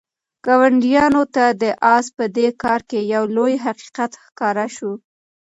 ګاونډیانو ته د آس په دې کار کې یو لوی حقیقت ښکاره شو.